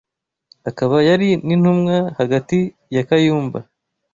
akaba yari n’intumwa hagati ya Kayumba